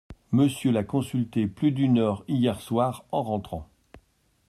Monsieur l’a consulté plus d’une heure hier soir en rentrant.